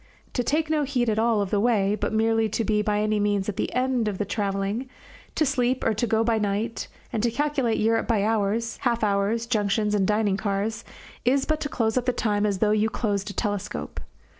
To take no heed at all of the way, but merely to be by any means at the end of the travelling, to sleep or go by night, and to calculate Europe by hours, half hours, junctions, and dining cars, is but to close up the time as though you closed a telescope.